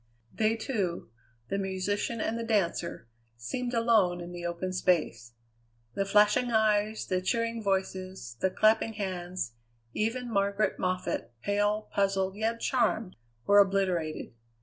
They two, the musician and the dancer, seemed alone in the open space. The flashing eyes, the cheering voices, the clapping hands, even Margaret Moffatt, pale, puzzled, yet charmed, were obliterated.